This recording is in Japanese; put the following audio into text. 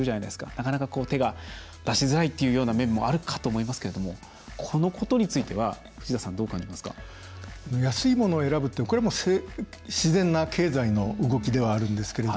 なかなか手が出しづらいっていう面もあるかと思いますけれどもこのことについては藤田さん安いものを選ぶって自然な経済の動きではあるんですけど。